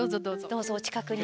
どうぞお近くに。